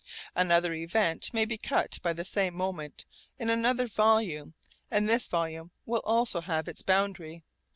Another event may be cut by the same moment in another volume and this volume will also have its boundary.